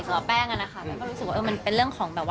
ส่วนข้างแป้งนะคะแล้วก็รู้สึกเป็นเรื่องของ